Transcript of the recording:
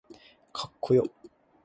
かっこよ